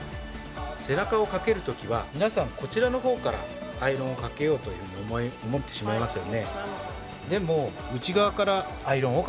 背中をかけるときは皆さんこちらのほうからアイロンをかけようというふうに思ってしまいますよね。